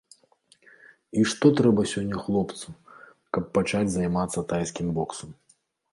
І што трэба сёння хлопцу, каб пачаць займацца тайскім боксам?